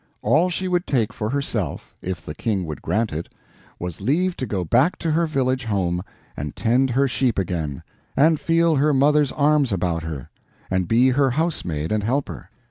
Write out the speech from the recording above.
All she would take for herself—if the King would grant it—was leave to go back to her village home, and tend her sheep again, and feel her mother's arms about her, and be her housemaid and helper.